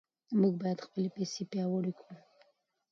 موږ باید خپلې پیسې پیاوړې کړو.